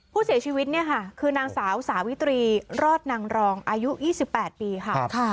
ผู้เสียชีวิตเนี่ยค่ะคือนางสาวสาวิตรีรอดนางรองอายุ๒๘ปีค่ะ